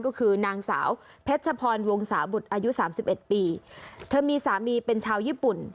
ก็คือนางสาวเพชรพรวงศาบุตรอายุสามสิบเอ็ดปีเธอมีสามีเป็นชาวญี่ปุ่น